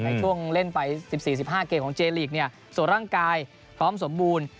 ในช่วงเล่นไป๑๔๑๕เกมของเจลีกส่วนร่างกายพร้อมสมบูรณ์